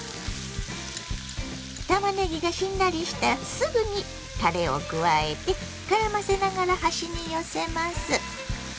たまねぎがしんなりしたらすぐにたれを加えてからませながら端に寄せます。